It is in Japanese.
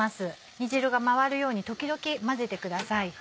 煮汁が回るように時々混ぜてください。